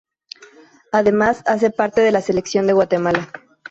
Además hace parte de la Selección de Guatemala.